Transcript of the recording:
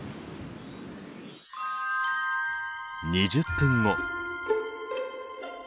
２０分後。